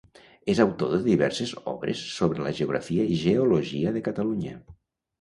És autor de diverses obres sobre la geografia i geologia de Catalunya.